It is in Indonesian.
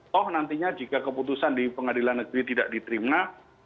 toh nantinya jika keputusan di pengadilan negeri tidak diterima